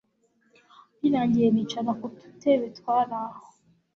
baragiye bicara kututebe twaraho